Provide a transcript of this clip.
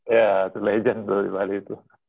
ya itu legend tuh di bali itu